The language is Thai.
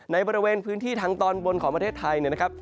ในบริเวณพื้นที่ทางตอนบนของประเทศไทยเนี่ยนะครับ